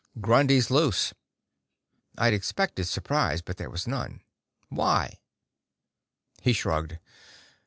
"Grundy's loose." I'd expected surprise, but there was none. "Why?" He shrugged.